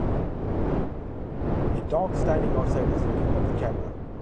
A dog standing outside is looking at the camera.